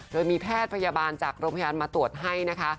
โดยมีแพทย์พยาบาลจากโรงพยาบาลมาตรวจให้นะคะ